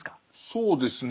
そうですね。